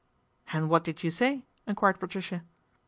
And what did you say ?" enquired Patricia.